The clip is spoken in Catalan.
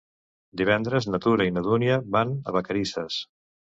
Divendres na Tura i na Dúnia van a Vacarisses.